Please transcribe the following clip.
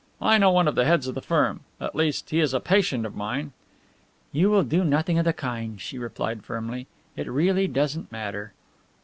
I know one of the heads of the firm at least, he is a patient of mine." "You will do nothing of the kind," she replied firmly. "It really doesn't matter."